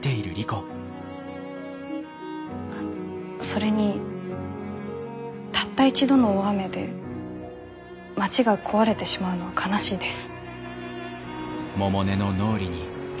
それにたった一度の大雨で町が壊れてしまうのは悲しいです。